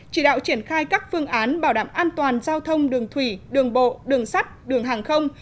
chỉ đạo triển khai các phương án bảo đảm an toàn giao thông đường thủy đường bộ đường sắt đường hàng không